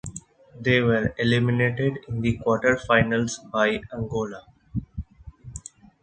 They were eliminated in the quarterfinals by Angola.